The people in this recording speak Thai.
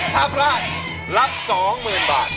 ถ้าพลาดรับ๒๐๐๐๐บาท